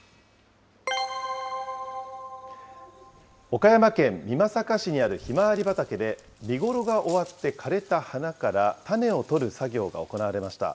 岡山県美作市にあるひまわり畑で見頃が終わって枯れた花から種を取る作業が行われました。